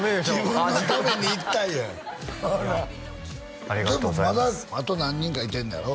自分のために行ったんやいやありがとうございますでもまだあと何人かいてんのやろ？